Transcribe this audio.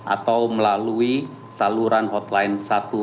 atau melalui saluran hotline satu ratus tiga puluh empat